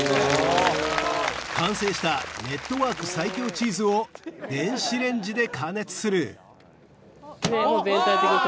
完成したネットワーク最強チーズを電子レンジで加熱するあっ！